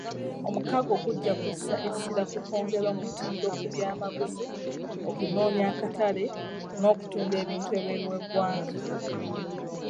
Omukago gujja kussa essira ku kwongera omutindo ku byamaguzi, okunoonya akatale n'okutunda ebintu ebweru w'eggwanga.